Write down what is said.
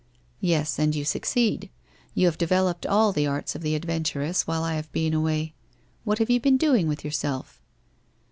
' Yes, and you succeed. You have developed all the arte of ib" adventuress while I have been away. What have you been doing with yourself?'